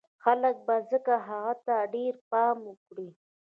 خلک به ځکه هغه ته ډېر پام وکړي